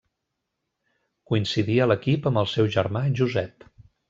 Coincidí a l'equip amb el seu germà Josep.